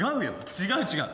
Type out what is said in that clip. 違う違う。